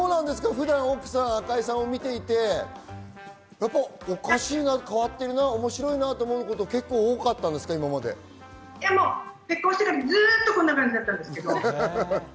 普段、赤井さんを見ていて、おかしいな、変わってるな、面白いなと思うことは多かったん結婚してからずっとこんな感じだったんです。